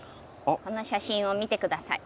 この写真を見て下さい。